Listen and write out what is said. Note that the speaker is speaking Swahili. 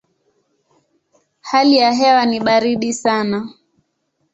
Hali ya hewa ni baridi sana.